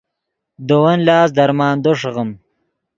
دے ون لاست درمندو ݰیغیم